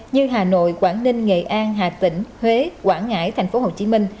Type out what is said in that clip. như hà nội quảng ninh nghệ an hà tĩnh huế quảng ngãi tp hcm